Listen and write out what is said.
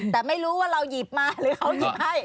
แต่ไม่รู้ว่าเราหยิบมาหรือเขาหยิบให้